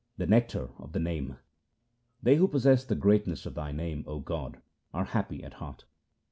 The nectar of the Name :— They who possess the greatness of Thy name, O God, are happy at heart.